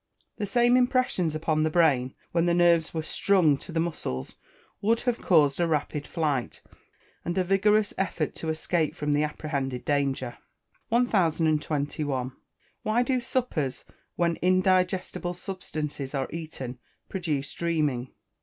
The same impressions upon the brain, when the nerves were "strung" to the muscles, would have caused a rapid flight, and a vigorous effort to escape from the apprehended danger. 1021. _Why do suppers, when indigestible substances are eaten, produce dreaming?